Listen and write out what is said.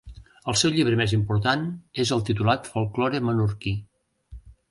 El seu llibre més important és el titulat Folklore menorquí.